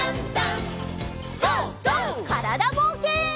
からだぼうけん。